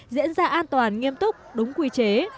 diễn ra an toàn nghiêm túc đúng quy chế